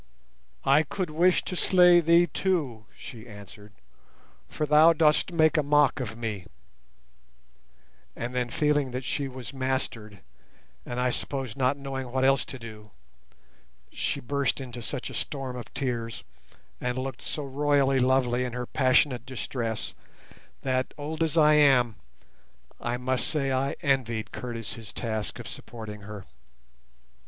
"I could wish to slay thee too," she answered; "for thou dost make a mock of me;" and then feeling that she was mastered, and I suppose not knowing what else to do, she burst into such a storm of tears and looked so royally lovely in her passionate distress, that, old as I am, I must say I envied Curtis his task of supporting her.